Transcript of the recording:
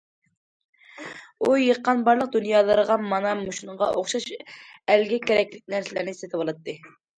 ئۇ يىغقان بارلىق دۇنيالىرىغا مانا مۇشۇنىڭغا ئوخشاش ئەلگە كېرەكلىك نەرسىلەرنى سېتىۋالاتتى.